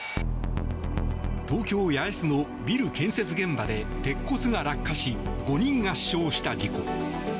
東京・八重洲のビル建設現場で鉄骨が落下し５人が死傷した事故。